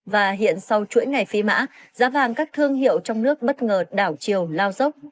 và hiện sau chuỗi ngày phi mã giá vàng các thương hiệu trong nước bất ngờ đảo chiều lao dốc